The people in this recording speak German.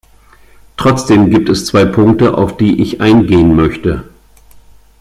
Trotzdem gibt es zwei Punkte, auf die ich eingehen möchte.